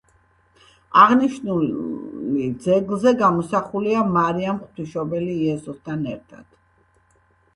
აღნიშნული ძეგლზე გამოსახულია მარიამ ღვთისმშობელი იესოსთან ერთად.